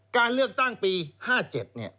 การเลือกตั้งปี๕๗